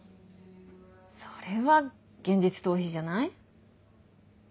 それは現実逃避じゃない？